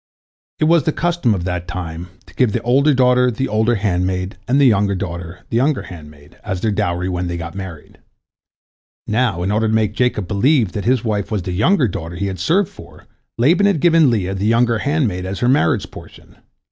It was the custom of that time to give the older daughter the older handmaid, and the younger daughter the younger handmaid, as their dowry, when they got married. Now, in order to make Jacob believe that his wife was the younger daughter he had served for, Laban had given Leah the younger handmaid as her marriage portion.